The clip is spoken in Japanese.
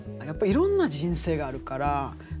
やっぱりいろんな人生があるから。